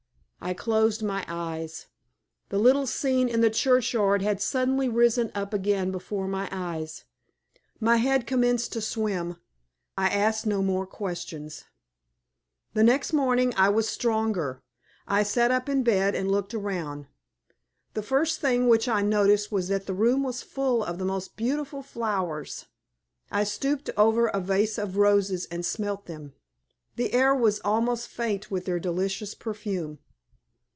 I closed my eyes. The little scene in the churchyard had suddenly risen up again before my eyes. My head commenced to swim. I asked no more questions. The next morning I was stronger. I sat up in bed and looked around. The first thing which I noticed was that the room was full of the most beautiful flowers; I stooped over a vase of roses and smelt them. The air was almost faint with their delicious perfume.